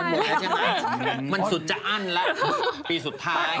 หมดแล้วใช่ไหมมันสุดจะอั้นแล้วปีสุดท้าย